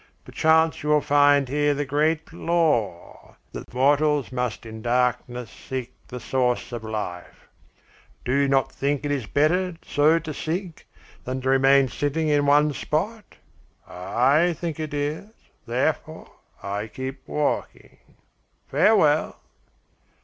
Perchance you will find here the great law that mortals must in darkness seek the source of life. Do you not think it is better so to seek than to remain sitting in one spot? I think it is, therefore I keep walking. Farewell!"